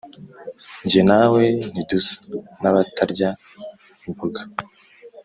nge na we ntidusa n’abatarya imboga.